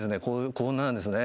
こんななんですね」